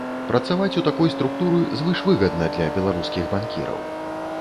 Працаваць у такой структуры звышвыгадна для беларускіх банкіраў.